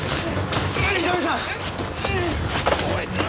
伊丹さん！